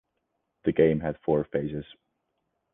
The game had four phases.